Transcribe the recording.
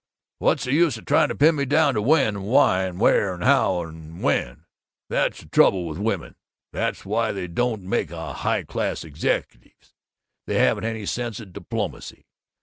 What's the use of trying to pin me down to When and Why and Where and How and When? That's the trouble with women, that's why they don't make high class executives; they haven't any sense of diplomacy.